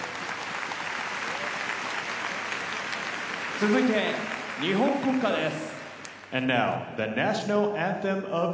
続いて日本国歌です。